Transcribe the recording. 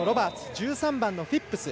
１３番のフィップス。